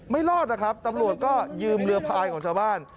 ไม่รอดนะครับตำรวจก็ยืมเรือพายของชาวบ้าน